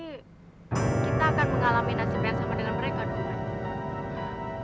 kita akan mengalami nasib yang sama dengan mereka bukan